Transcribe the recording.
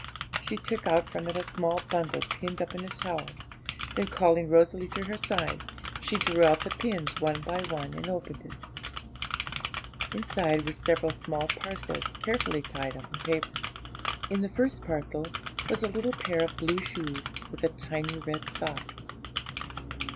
She took out from it a small bundle pinned up in a towel, then, calling Rosalie to her side, she drew out the pins one by one, and opened it. Inside were several small parcels carefully tied up in paper. In the first parcel was a little pair of blue shoes, with a tiny red sock.